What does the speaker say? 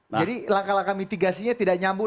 jadi langkah langkah mitigasinya tidak nyambung